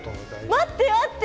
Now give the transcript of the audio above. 待って待って。